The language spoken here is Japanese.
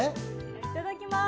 いただきます。